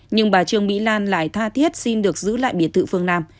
nhưng bà trương mỹ lan lại tha thiết xin được giữ lại biệt thự phương nam